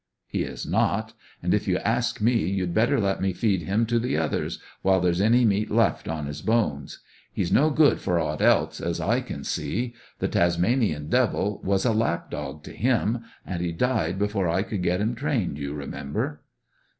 "He is not. And, if you ask me, you'd better let me feed him to the others, while there's any meat left on his bones. He's no good for aught else, as I can see. The Tasmanian Devil was a lap dog to him, and he died before I could get him trained, you remember."